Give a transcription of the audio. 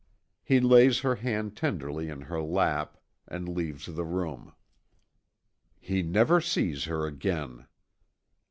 He lays her hand tenderly in her lap, and leaves the room. He never sees her again.